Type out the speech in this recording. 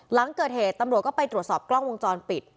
หลังเกิดเหตุตำรวจก็ไปตรวจสอบกล้องวงจรปิด